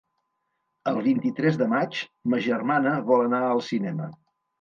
El vint-i-tres de maig ma germana vol anar al cinema.